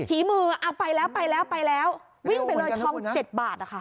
ถี่มือไปแล้วไปแล้ววิ่งไปเลยทอง๗บาท